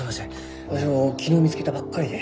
わしも昨日見つけたばっかりで。